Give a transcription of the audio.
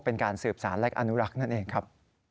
เป็นการสืบสารและอนุรักษ์นั่นเองครับ